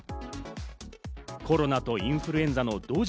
コロナとインフルエンザの同時